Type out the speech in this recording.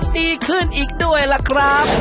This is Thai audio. ดีขึ้นอีกด้วยล่ะครับ